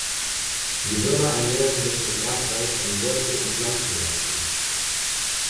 Die Würmer ernähren sich im Erdreich von Wurzeln und Pflanzenresten.